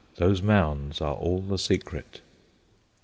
Those mounds are all the secret.